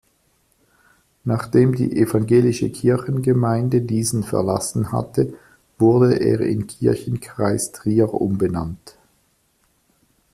Nachdem die Evangelische Kirchengemeinde diesen verlassen hatte, wurde er in Kirchenkreis Trier umbenannt.